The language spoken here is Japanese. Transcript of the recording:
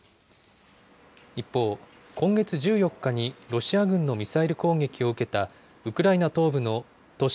一方、今月１４日にロシア軍のミサイル攻撃を受けたウクライナ東部の都市